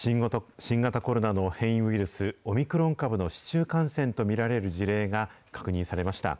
新型コロナの変異ウイルス、オミクロン株の市中感染と見られる事例が確認されました。